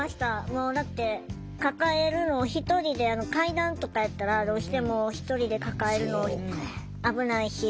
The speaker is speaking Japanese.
もうだって抱えるの１人で階段とかやったらどうしても１人で抱えるの危ないし。